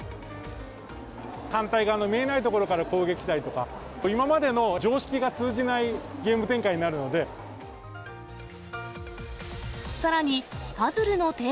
反対側の見えない所から攻撃したりとか、今までの常識が通じないゲーム展開になるので。